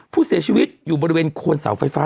ผู้เสียชีวิตอยู่บริเวณโคนเสาไฟฟ้า